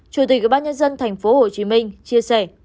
chủ tịch bác nhân dân tp hcm chia sẻ